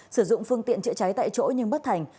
sử dụng phương tiện chữa cháy tại chỗ nhưng bất thành